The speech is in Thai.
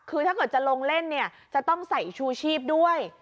คือถ้าเกิดจะลงเล่นเนี่ยจะต้องใส่ชูชีพด้วย